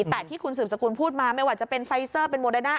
แต่ที่คุณสืบสกุลพูดมาไม่ว่าจะเป็นไฟเซอร์เป็นโมเดน่า